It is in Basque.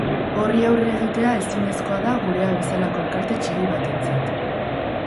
Horri aurre egitea ezinezkoa da gurea bezalako elkarte txiki batentzat.